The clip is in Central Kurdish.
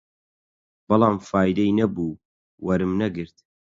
بەڵام فایدەی نەبوو، وەرم نەگرت